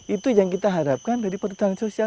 itu yang kita harapkan dari perhutanan sosial